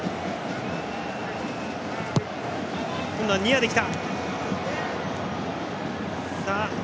今度はニアで来た。